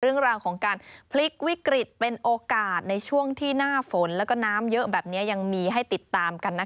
เรื่องราวของการพลิกวิกฤตเป็นโอกาสในช่วงที่หน้าฝนแล้วก็น้ำเยอะแบบนี้ยังมีให้ติดตามกันนะคะ